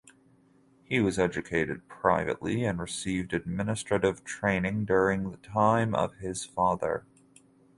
He was educated privately and received administrative training during the time of his father.